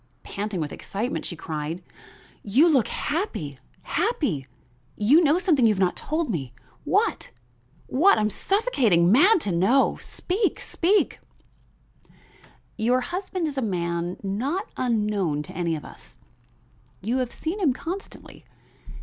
Panting with excitement she cried: "You look happy, happy! You know something you have not told me. What? what? I'm suffocating, mad to know; speak speak " "Your husband is a man not unknown to any of us. You have seen him constantly.